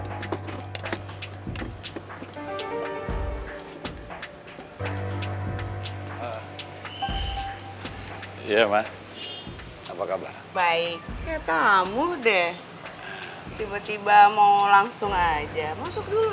hai iya mah apa kabar baik ketamu deh tiba tiba mau langsung aja masuk dulu